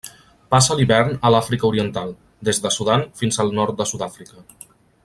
Passa l'hivern a l'Àfrica Oriental, des de Sudan fins al nord de Sud-àfrica.